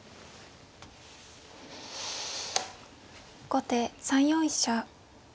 後手３四飛車。